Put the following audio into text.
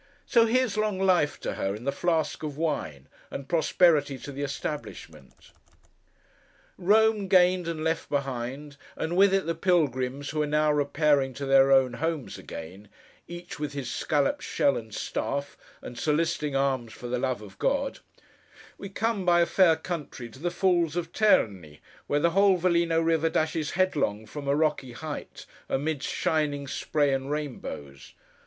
So here's long life to her, in the flask of wine, and prosperity to the establishment. Rome gained and left behind, and with it the Pilgrims who are now repairing to their own homes again—each with his scallop shell and staff, and soliciting alms for the love of God—we come, by a fair country, to the Falls of Terni, where the whole Velino river dashes, headlong, from a rocky height, amidst shining spray and rainbows.